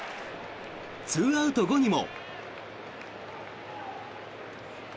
２アウト後にも。